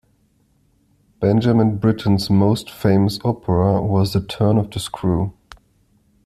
Benjamin Britten's most famous opera was The Turn of the Screw.